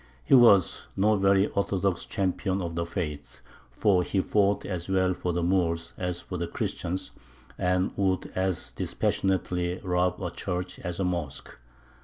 He was no very orthodox champion of the faith, for he fought as well for the Moors as for the Christians, and would as dispassionately rob a church as a mosque.